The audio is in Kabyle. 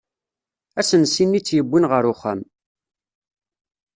Asensi-nni tt-yewwin ɣer uxxam.